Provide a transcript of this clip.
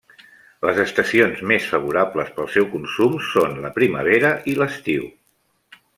Les estacions més favorables pel seu consum són la primavera i l'estiu.